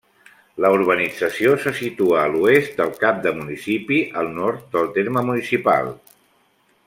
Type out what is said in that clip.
La urbanització se situa a l'oest del cap de municipi, al nord del terme municipal.